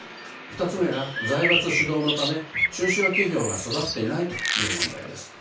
２つ目が財閥主導のため中小企業が育っていないという問題です。